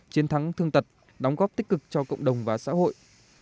chiến thắng thương tật đóng góp tích cực cho cộng đồng và xã hội